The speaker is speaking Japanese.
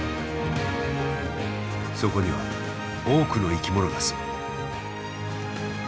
そこには多くの生き物が住む。